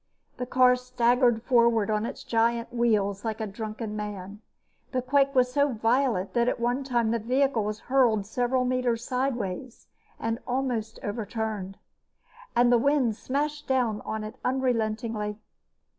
The car staggered forward on its giant wheels like a drunken man. The quake was so violent that at one time the vehicle was hurled several meters sideways, and almost overturned. And the wind smashed down on it unrelentingly.